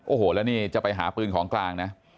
โอ้โหแล้วนี่จะไปหาปืนของกลางนะ